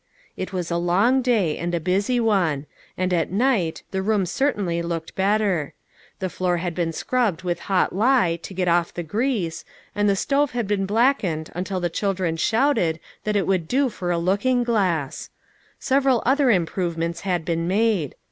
It was a long day, and a busy one. And at night, the room certainly looked better. The floor had been scrubbed with hot lye to get off the grease, and the stove had been blackened until the children shouted that it would do for a looking glass. Several other improvements had been made.